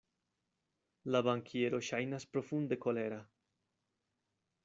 La bankiero ŝajnas profunde kolera.